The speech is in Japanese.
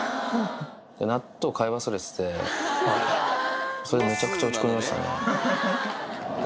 納豆買い忘れてて、それ、めちゃくちゃ落ち込みましたね。